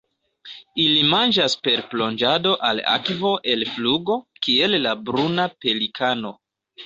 Ili manĝas per plonĝado al akvo el flugo, kiel la Bruna pelikano.